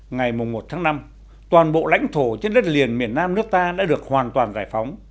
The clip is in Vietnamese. ngày một tháng năm toàn bộ lãnh thổ trên đất liền miền nam nước ta đã được hoàn toàn giải phóng